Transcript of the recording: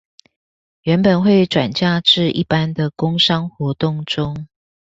原本會轉嫁至一般的工商活動中